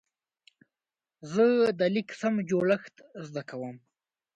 زه د لیک سم جوړښت زده کوم.